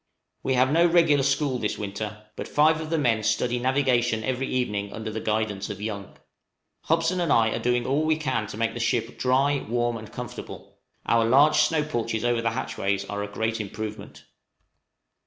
We have no regular school this winter, but five of the men study navigation every evening under the guidance of Young. Hobson and I are doing all we can to make the ship dry, warm, and comfortable: our large snow porches over the hatchways are a great improvement.